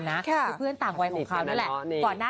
ที่เพื่อนต่าง๓๖๕นี่แหละ